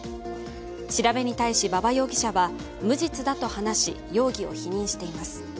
調べに対し馬場容疑者は、無実だと話し容疑を否認しています。